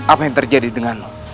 apa yang terjadi denganmu